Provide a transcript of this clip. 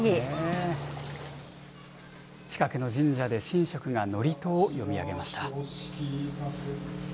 近くの神社で神職が祝詞を読み上げました。